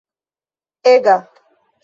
ega